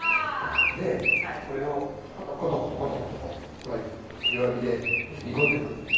でこれをコトコトコトコトと弱火で煮込んでいく。